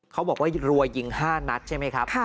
เขาบอกว่ารัวยิง๕นัดใช่ไหมครับ